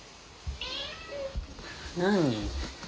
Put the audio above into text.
何？